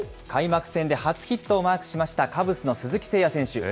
開幕戦で初ヒットをマークしましたカブスの鈴木誠也選手。